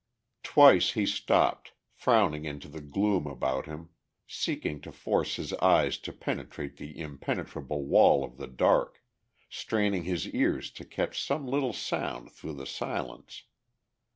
Twice he stopped, frowning into the gloom about him, seeking to force his eyes to penetrate the impenetrable wall of the dark, straining his ears to catch some little sound through the silence.